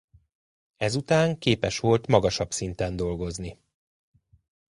Ezután képes volt magasabb szinten dolgozni.